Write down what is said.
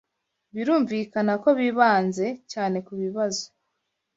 birumvikana ko bibanze cyane kubibazo